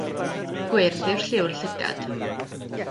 Gwyrdd yw lliw'r llygad.